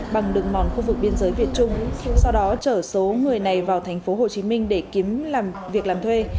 bằng đường mòn khu vực biên giới việt trung sau đó chở số người này vào tp hcm để kiếm làm việc làm thuê